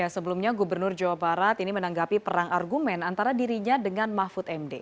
sebelumnya gubernur jawa barat ini menanggapi perang argumen antara dirinya dengan mahfud md